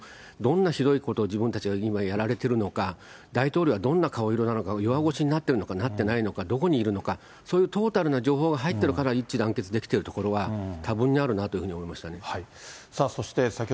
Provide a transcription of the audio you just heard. どんなひどいことを、自分たちが今やられてるのか、大統領はどんな顔色なのか、弱腰になっているのか、なってないのか、どこにいるのか、そういうトータルな情報が入ってるから一致団結できてるところがたぶんにあるなというふうに思いましたね。